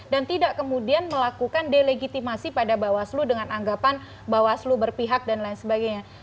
dan tidak kemudian melakukan delegitimasi pada bawaslu dengan anggapan bawaslu berpihak dan lain sebagainya